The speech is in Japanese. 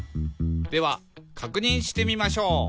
「ではかくにんしてみましょう」